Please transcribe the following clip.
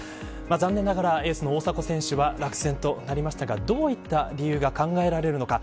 残念ながらエースの大迫選手は落選となりましたがどういった理由が考えられるのか。